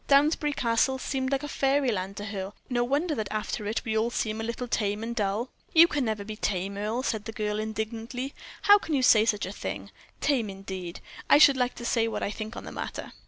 Downsbury Castle seemed like fairyland to her. No wonder that after it we all seem a little tame and dull." "You can never be tame, Earle," said the girl, indignantly. "How can you say such a thing? Tame indeed! I should like to say what I think on the matter."